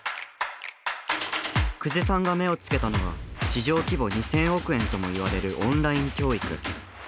久世さんが目を付けたのは市場規模２０００億円ともいわれるオンライン教育。